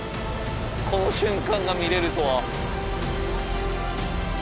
この瞬間が見れるとは。